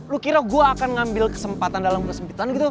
lu kira gue akan ngambil kesempatan dalam kesempitan gitu